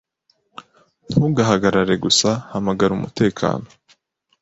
Ntugahagarare gusa. Hamagara umutekano.